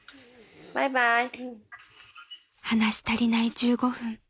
［話し足りない１５分。